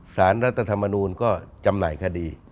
สารรัฐธรรมนูลก็จำหน่ายคดี